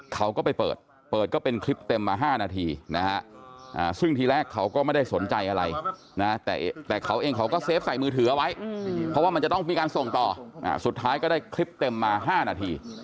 เขาก็ไปเปิดเปิดก็เป็นคลิปเต็มมา๕นาทีนะฮะซึ่งทีแรกเขาก็ไม่ได้สนใจอะไรนะแต่เขาเองเขาก็เซฟใส่มือถือเอาไว้เพราะว่ามันจะต้องมีการส่งต่อสุดท้ายก็ได้คลิปเต็มมา๕นาที